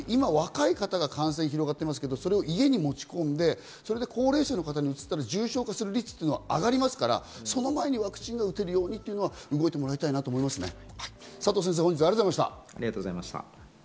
さらに若い方の感染広がっていますけれども家に持ち込んで、高齢者の方にうつったら重症化するリスクは上がりますから、その前にワクチンが打てるようにと動いてほしいですね。